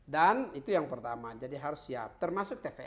dan itu yang pertama jadi harus siap termasuk tvri